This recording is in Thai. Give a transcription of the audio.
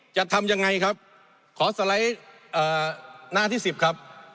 จะทำยังไงครับขอสไลด์หน้าที่สิบครับ